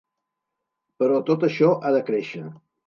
Però tot això ha de créixer.